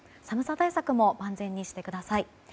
寒さ対策も万全にしてください。